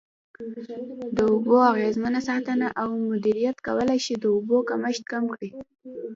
د اوبو اغیزمنه ساتنه او مدیریت کولای شي د اوبو کمښت کم کړي.